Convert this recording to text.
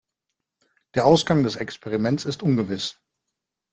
Der Ausgang des Experiments ist ungewiss.